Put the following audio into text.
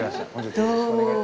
どうも。